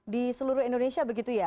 di seluruh indonesia begitu ya